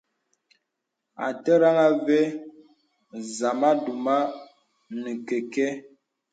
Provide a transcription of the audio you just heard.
A tɛrəŋ à və̀ zamà duma nə kɛkɛ̄.